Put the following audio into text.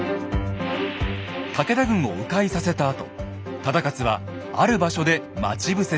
武田軍をう回させたあと忠勝はある場所で待ち伏せします。